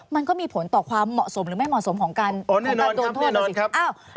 มันก็มีผลต่อความเหมาะสมหรือไม่เหมาะสมของการโดนโทษนะสิครับ